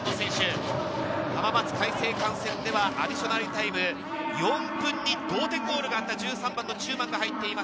浜松開誠館戦ではアディショナルタイム４分に同点ゴールがあった１３番の中馬が入っています。